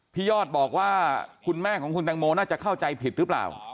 ยอดบอกว่าคุณแม่ของคุณแตงโมน่าจะเข้าใจผิดหรือเปล่า